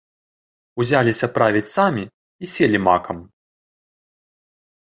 Узяліся правіць самі і селі макам.